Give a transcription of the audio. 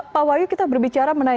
pak wayu kita berbicara